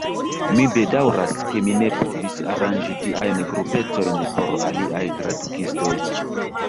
Mi bedaŭras, ke mi ne povis aranĝi tiajn grupetojn por aliaj tradukistoj.